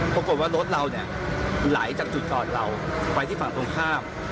ปรากฏว่ารถเราเนี่ยไหลจากจุดจอดเราไปที่ฝั่งตรงข้าม